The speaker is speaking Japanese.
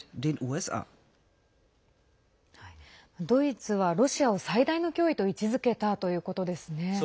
ドイツはロシアを最大の脅威と位置づけたということですね。